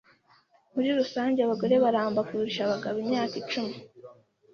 Muri rusange, abagore baramba kurusha abagabo imyaka hafi icumi.